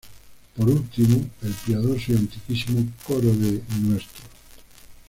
Por último, el Piadoso y Antiquísimo Coro de Ntro.